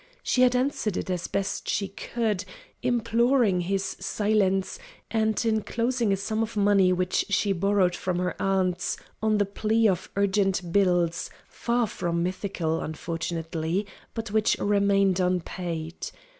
She had answered it as best she could, imploring his silence, and enclosing a sum of money which she borrowed from her aunts, on the plea of urgent bills far from mythical, unfortunately, but which remained unpaid.